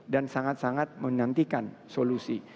dan sangat sangat menantikan solusi